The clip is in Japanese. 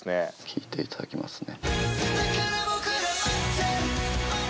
聴いていただきますね。